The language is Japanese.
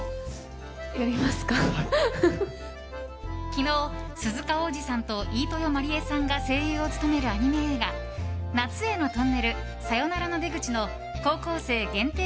昨日、鈴鹿央士さんと飯豊まりえさんが声優を務めるアニメ映画「夏へのトンネル、さよならの出口」の高校生限定